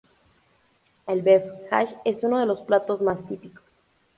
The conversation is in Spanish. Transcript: El beef hash es uno de los platos más típicos.